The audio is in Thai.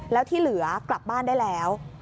แล้วที่เหลือกลับบ้านได้แล้ว